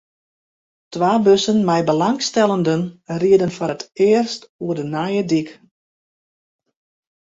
Twa bussen mei belangstellenden rieden foar it earst oer de nije dyk.